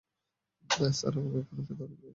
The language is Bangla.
স্যার, আমরা খুনিকে ধরে ফেলেছি।